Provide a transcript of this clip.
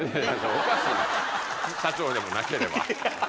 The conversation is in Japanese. おかしい！社長でもなければ。